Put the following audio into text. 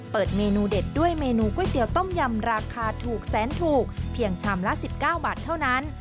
เปิดเมนูเด็ดด้วยเมนูก๋วยเตี๋ยวต้มยำราคาถูกแสนถูกเพียงชามละ๑๙บาทเท่านั้น